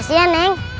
kasih ya neng